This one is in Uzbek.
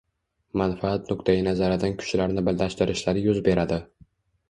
manfaat nuqtayi nazaridan kuchlarni birlashtirishlari yuz beradi.